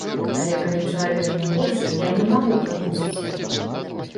Але калі чалавек не хоча, я не магу прымусіць яго.